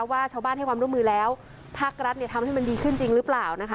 ว่าชาวบ้านให้ความร่วมมือแล้วภาครัฐเนี่ยทำให้มันดีขึ้นจริงหรือเปล่านะคะ